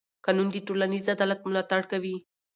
قانون د ټولنیز عدالت ملاتړ کوي.